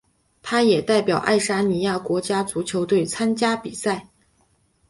他也代表爱沙尼亚国家足球队参加比赛。